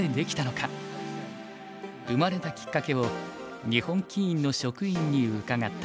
生まれたきっかけを日本棋院の職員に伺った。